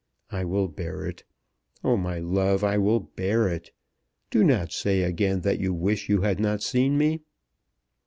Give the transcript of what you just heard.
I will bear it. Oh, my love, I will bear it. Do not say again that you wish you had not seen me."